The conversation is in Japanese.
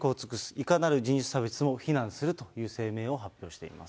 いかなる人種差別も非難するという声明を発表しています。